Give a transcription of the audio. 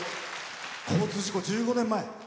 交通事故１５年前。